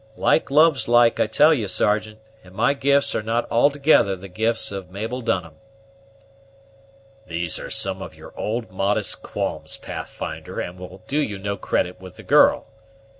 Like loves like, I tell you, Sergeant; and my gifts are not altogether the gifts of Mabel Dunham." "These are some of your old modest qualms, Pathfinder, and will do you no credit with the girl.